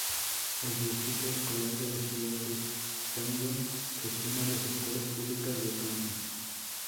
El Distrito Escolar de la Ciudad de Camden gestiona las escuelas públicas de Camden.